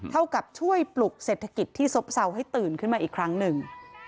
เท่ากับช่วยปลุกเศรษฐกิจที่ซบเศร้าให้ตื่นขึ้นมาอีกครั้งหนึ่ง